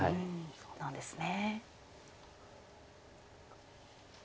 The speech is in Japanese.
そうなんですね。